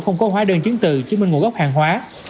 không có hóa đơn chứng từ chứng minh nguồn gốc hàng hóa